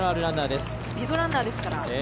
スピードランナーです。